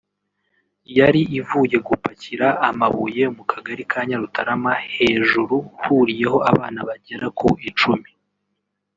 yari ivuye gupakira amabuye mu mu Kagari ka Nyarutarama hejuru huriyeho abana bagera ku icumi